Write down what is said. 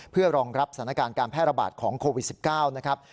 เพื่อรองรับสถานการณ์การแพร่ระบาดของโควิด๑๙นะครับ